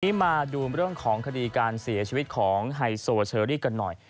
ทีนี้มาดูเรื่องของคดีการเสียชีวิตของไฮโซเชอรี่กันหน่อย